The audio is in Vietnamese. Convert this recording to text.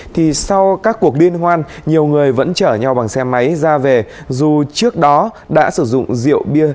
thì sau các cuộc liên hoan nhiều người vẫn chở nhau bằng xe máy ra về dù trước đó đã sử dụng rượu bia